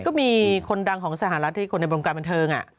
ก็มีคนดังของสหรัฐที่คนในวงการบันเทิง